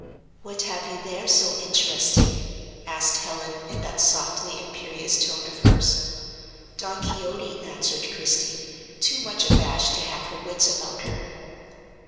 "What have you there so interesting?" asked Helen, in that softly imperious tone of hers. "Don Quixote," answered Christie, too much abashed to have her wits about her.